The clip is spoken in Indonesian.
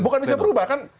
bukan bisa berubah kan